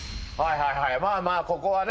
はいはいまあまあここはね